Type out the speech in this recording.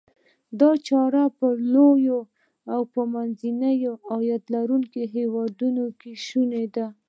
دا چاره په لوړ او یا منځني عاید لرونکو هیوادونو کې شوني ده.